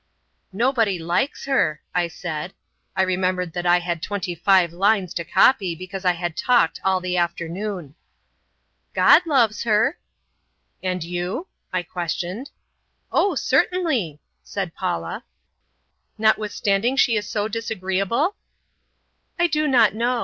"Nobody likes her," I said. (I remembered that I had twenty five lines to copy because I had talked all the afternoon.) "God loves her!" "And you?" I questioned. "Oh, certainly," said Paula. "Notwithstanding she is so disagreeable?" "I do not know.